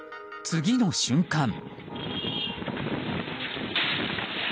次の瞬間。